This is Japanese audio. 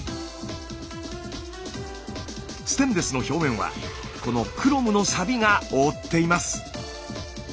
ステンレスの表面はこのクロムのサビが覆っています。